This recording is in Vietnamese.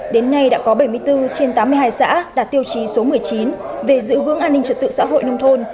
đến nay đã có bảy mươi bốn trên tám mươi hai xã đạt tiêu chí số một mươi chín về giữ vững an ninh trật tự xã hội nông thôn